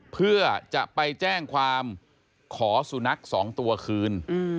เพื่อจะไปแจ้งความขอสุนัข๒ตัวคืน